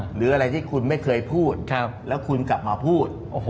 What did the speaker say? หรืออะไรที่คุณไม่เคยพูดแล้วคุณกลับมาพูด